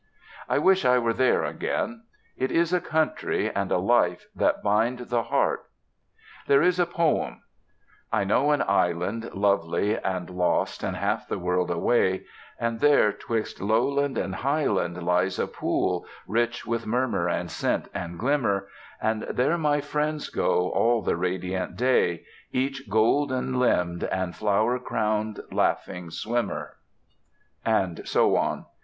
I wish I were there again. It is a country, and a life, that bind the heart. There is a poem: "I know an island, Lovely and lost, and half the world away; And there, 'twixt lowland and highland, Lies a pool, rich with murmur and scent and glimmer, And there my friends go, all the radiant day, Each golden limbed and flower crowned laughing swimmer," and so on.